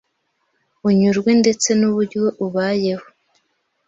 unyurwe ndetse n’uburyo ubayeho